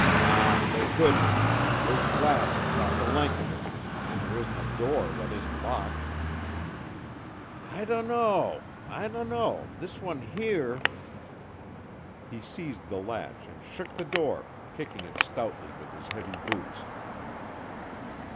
"Naw, they couldn't. There's glass atop the lingth of ut, an' there isn't a door wot isn't locked." "I dunno. I dunno. This wan here " He seized the latch and shook the door, kicking it stoutly with his heavy boots.